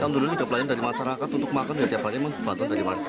kan dulu juga pelayan dari masyarakat untuk makan dan tiap hari memang dibantu dari warga